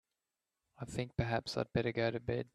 I think perhaps I'd better go to bed.